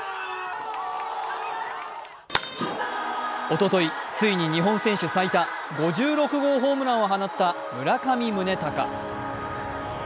おととい、ついに日本選手最多５６号ホームランを放った村上宗隆。